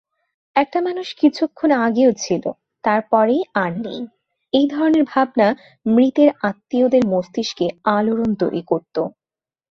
একটা মানুষ কিছুক্ষণ আগেও ছিল, তারপরেই আর নেই, এই ধরনের ভাবনা মৃতের আত্মীয়দের মস্তিষ্কে আলোড়ন তৈরী করত।